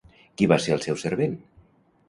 Qui va ser el seu servent?